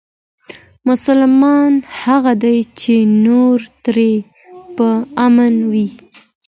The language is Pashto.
مسلمان هغه دی چې نور ترې په امن وي.